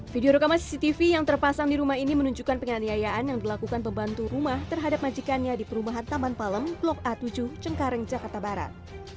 video rekaman cctv yang terpasang di rumah ini menunjukkan penganiayaan yang dilakukan pembantu rumah terhadap majikannya di perumahan taman palem blok a tujuh cengkareng jakarta barat